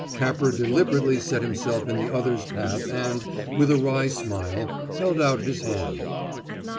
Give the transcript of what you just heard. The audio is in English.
Capper deliberately set himself in the other's path and, with a wry smile, held out his hand.